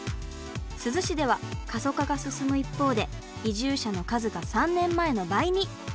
珠洲市では過疎化が進む一方で移住者の数が３年前の倍に。